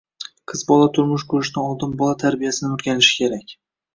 Qiz bola turmush qurishdan oldin bola tarbiyasini o’rganishi kerak.